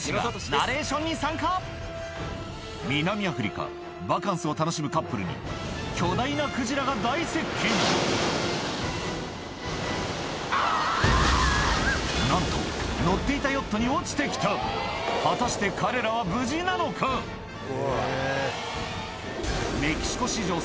南アフリカバカンスを楽しむカップルになんと乗っていた果たして彼らは無事なのかえ。